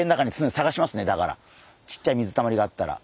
ちっちゃい水たまりがあったら。